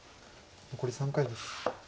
残り３回です。